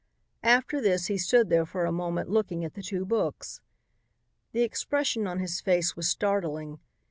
After this he stood there for a moment looking at the two books. The expression on his face was startling.